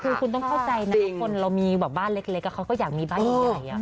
คือคุณต้องเข้าใจนะทุกคนเรามีบ้านเล็กก็เขาก็อยากมีบ้านใหญ่อะ